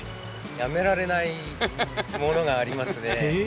やめられないものがありますね。